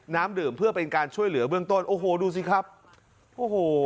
น้ำดื่มเพื่อเป็นการช่วยเหลือเบื้องต้นโอ้โหดูสิครับโอ้โห